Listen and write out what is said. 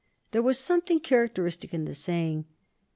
There was something characteristic in the saying.